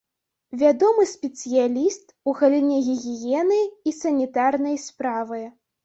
Вядомы спецыяліст у галіне гігіены і санітарнай справы.